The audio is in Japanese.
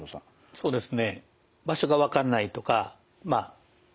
そうですね。